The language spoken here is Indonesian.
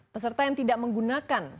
peserta yang tidak menggunakan